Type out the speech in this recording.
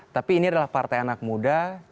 tapi ini adalah partai anak muda